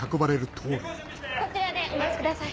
こちらでお待ちください。